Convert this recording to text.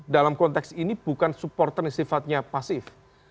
dalam konteks ini bukan supporter yang sifatnya pasif